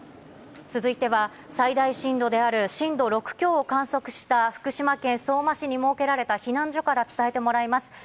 続いては最大震度である震度６強を観測した福島県相馬市に設けられた避難所から伝えてもらいます。